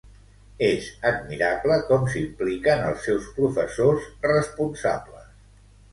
És admirable com s'impliquen els seus professors responsables.